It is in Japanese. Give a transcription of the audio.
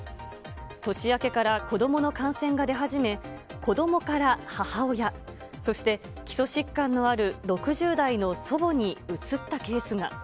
年明けから子どもの感染が出始め、子どもから母親、そして基礎疾患のある６０代の祖母にうつったケースが。